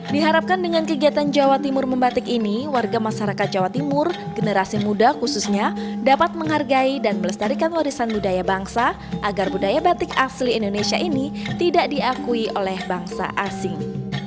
diharapkan dengan kegiatan jawa timur membatik ini warga masyarakat jawa timur generasi muda khususnya dapat menghargai dan melestarikan warisan budaya bangsa agar budaya batik asli indonesia ini tidak diakui oleh bangsa asing